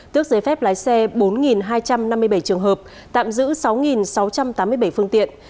tước giấy phép lái xe bốn hai trăm năm mươi bảy trường hợp tạm giữ sáu sáu trăm tám mươi bảy phương tiện